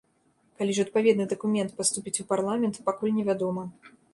Калі ж адпаведны дакумент паступіць у парламент, пакуль невядома.